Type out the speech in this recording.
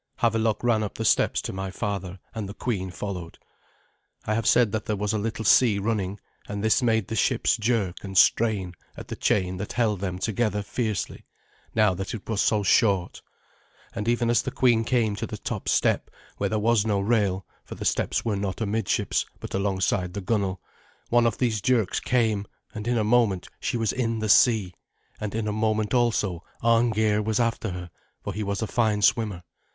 Havelok ran up the steps to my father, and the queen followed. I have said that there was a little sea running, and this made the ships jerk and strain at the chain that held them together fiercely, now that it was so short. And even as the queen came to the top step, where there was no rail, for the steps were not amidships, but alongside the gunwale, one of these jerks came; and in a moment she was in the sea, and in a moment also Arngeir was after her, for he was a fine swimmer.